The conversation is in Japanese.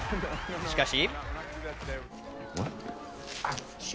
しかし。